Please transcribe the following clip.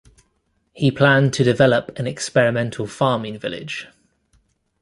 He planned to develop an experimental farming village.